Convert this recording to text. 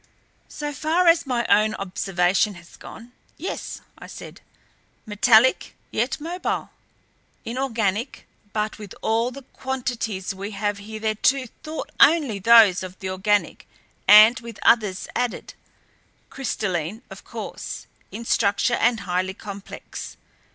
"So far as my own observation has gone yes," I said. "Metallic yet mobile. Inorganic but with all the quantities we have hitherto thought only those of the organic and with others added. Crystalline, of course, in structure and highly complex.